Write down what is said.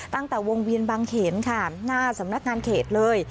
ตั้งแต่วงเวียนบางเขนค่ะหน้าสำนักงานเขตเลย